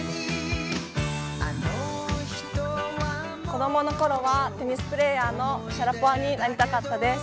子供の頃はテニスプレーヤーのシャラポワになりたかったです。